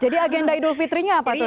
jadi agenda idul fitri nya apa tuh